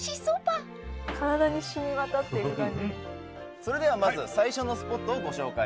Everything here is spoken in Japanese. それではまず最初のスポットをご紹介します。